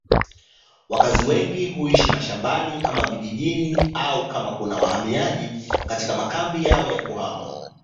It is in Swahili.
Wakazi wengi huishi mashambani ama vijijini au kama wahamiaji katika makambi yao ya kuhama.